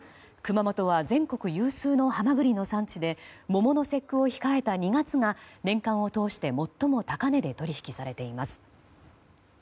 熊本は全国有数のハマグリの産地で桃の節句を控えた２月が年間を通した最も高値で取引されています。